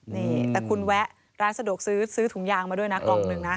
นี่แต่คุณแวะร้านสะดวกซื้อซื้อถุงยางมาด้วยนะกล่องหนึ่งนะ